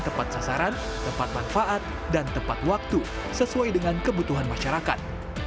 tepat sasaran tepat manfaat dan tepat waktu sesuai dengan kebutuhan masyarakat